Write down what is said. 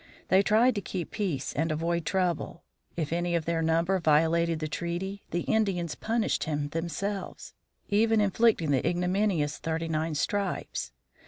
They tried to keep peace and avoid trouble. If any of their number violated the treaty, the Indians punished him themselves, even inflicting the ignominious thirty nine stripes.